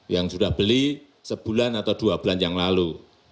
yang sudah beli sebulan atau dua bulan yang lalu